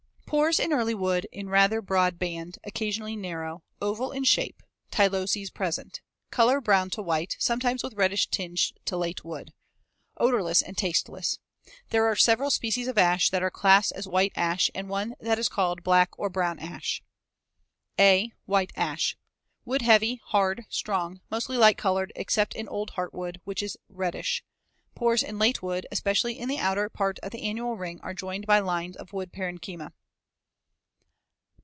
Pores in early wood in a rather broad band (occasionally narrow), oval in shape, see Fig. 148, tyloses present. Color brown to white, sometimes with reddish tinge to late wood. Odorless and tasteless. There are several species of ash that are classed as white ash and one that is called black or brown ash. (a) White ash. Wood heavy, hard, strong, mostly light colored except in old heartwood, which is reddish. Pores in late wood, especially in the outer part of the annual ring, are joined by lines of wood parenchyma.